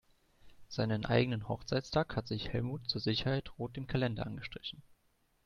Seinen eigenen Hochzeitstag hat sich Helmut zur Sicherheit rot im Kalender angestrichen.